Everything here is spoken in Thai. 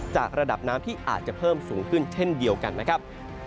ระดับน้ำที่อาจจะเพิ่มสูงขึ้นเช่นเดียวกันนะครับ